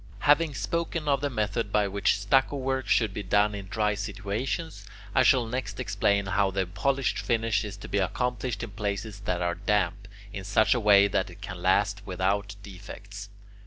Having spoken of the method by which stucco work should be done in dry situations, I shall next explain how the polished finish is to be accomplished in places that are damp, in such a way that it can last without defects.